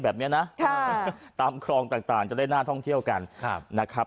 แบบนี้นะตามคลองต่างจะได้น่าท่องเที่ยวกันนะครับ